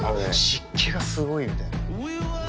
湿気がすごいみたいな。